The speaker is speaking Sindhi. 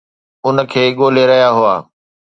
ان کي ڳولي رهيا هئا